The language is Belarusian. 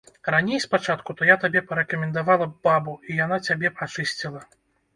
Раней, спачатку, то я табе парэкамендавала б бабу, і яна цябе б ачысціла.